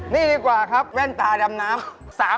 นี่ดีกว่าครับแว่นตาดำน้ำ